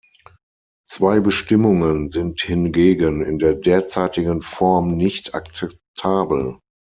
Zwei Bestimmungen sind hingegen in der derzeitigen Form nicht akzeptabel.